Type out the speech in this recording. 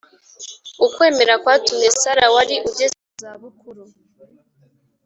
ukwemera kwatumye sara wari ugeze mu zabukuru